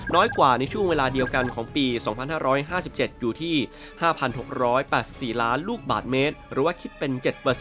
น้อยกว่าในช่วงเวลาเดียวกันของปี๒๕๕๗อยู่ที่๕๖๘๔ล้านลูกบาทเมตรหรือว่าคิดเป็น๗